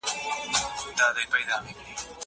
زه کولای سم مړۍ وخورم!